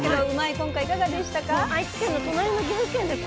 今回いかがでしたか？